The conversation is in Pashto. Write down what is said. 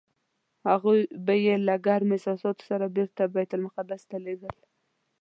هغوی به یې له ګرمو احساساتو سره بېرته بیت المقدس ته لېږل.